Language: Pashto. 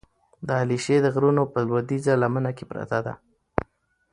د علیشې د غرونو په لودیځه لمن کې پرته ده،